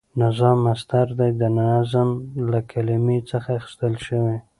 نظام مصدر دی د نظم له کلمی څخه اخیستل شوی،